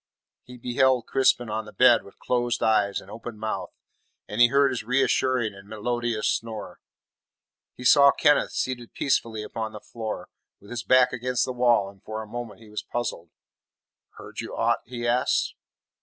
He beheld Crispin on the bed with closed eyes and open mouth, and he heard his reassuring and melodious snore. He saw Kenneth seated peacefully upon the floor, with his back against the wall, and for a moment he was puzzled. "Heard you aught?" he asked.